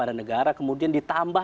dan memberikan juga tapi